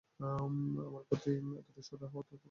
আমার প্রতি এতটা সদয় হওয়ায় তোকে ধন্যবাদ।